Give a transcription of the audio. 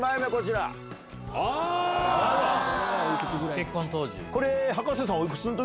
結婚当時。